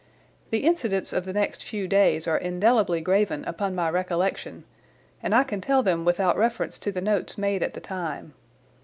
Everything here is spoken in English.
The incidents of the next few days are indelibly graven upon my recollection, and I can tell them without reference to the notes made at the time.